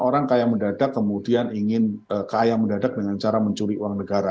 orang kaya mendadak kemudian ingin kaya mendadak dengan cara mencuri uang negara